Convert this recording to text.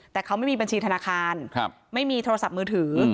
แต่เขาไม่มีบัญชีธนาคารไม่มีโทรศัพท์มือถือ